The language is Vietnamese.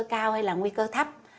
cao hay là nguy cơ thấp